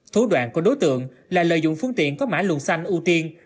thố đoạn của đối tượng là lợi dụng phương tiện có mã luồng xanh ưu tiên